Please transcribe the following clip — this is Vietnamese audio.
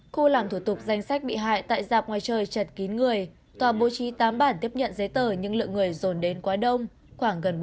khu làm thủ tục danh sách bị hại tại dạp ngoài trời chật kín người tòa bố trí tám bản tiếp nhận giấy tờ nhưng lượng người dồn đến quá đông khoảng gần bốn mươi